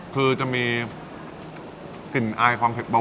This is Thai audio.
ถูกต้องค่ะ